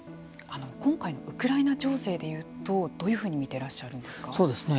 今回のウクライナ情勢で言うと、どういうふうに見ていらっしゃるんですか。